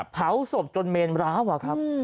เผาศพจนเมนร้าวอะครับ